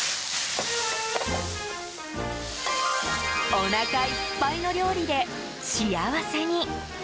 おなかいっぱいの料理で幸せに。